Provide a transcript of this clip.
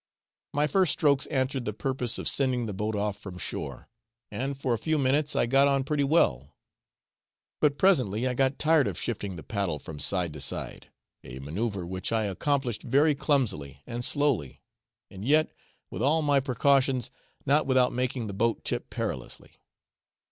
My first strokes answered the purpose of sending the boat off from shore, and for a few minutes I got on pretty well; but presently I got tired of shifting the paddle from side to side, a manoeuvre which I accomplished very clumsily and slowly, and yet, with all my precautions, not without making the boat tip perilously.